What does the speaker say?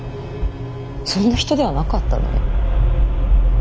そんな人ではなかったのに。